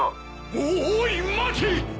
おおい待て！